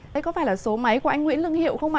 đây có phải là số máy của anh nguyễn lương hiệu không ạ